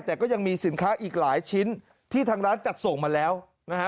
แต่ก็ยังมีสินค้าอีกหลายชิ้นที่ทางร้านจัดส่งมาแล้วนะฮะ